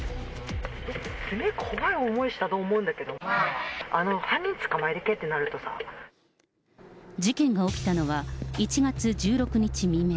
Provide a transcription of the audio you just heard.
すごい怖い思いしたと思うんだけど、犯人捕まえてくれとなる事件が起きたのは、１月１６日未明。